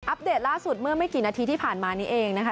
เดตล่าสุดเมื่อไม่กี่นาทีที่ผ่านมานี้เองนะคะ